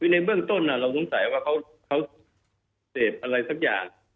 ในเบื้องต้นเราสงสัยว่าเขาเสพอะไรสักอย่าง